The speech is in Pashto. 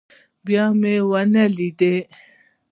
بيا مې ونه ليده.